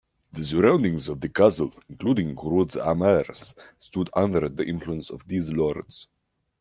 The surroundings of the castle, including Groot-Ammers, stood under the influence of these lords.